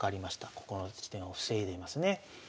ここの地点を防いでますね。